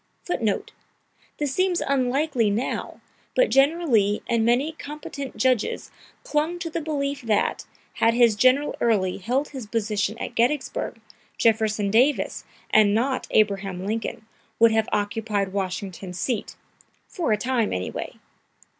[Footnote: This seems unlikely now, but General Lee and many competent judges clung to the belief that, had his General Early held his position at Gettysburg, Jefferson Davis, and not Abraham Lincoln, would have occupied Washington's seat for a time, anyway!